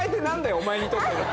お前にとっての。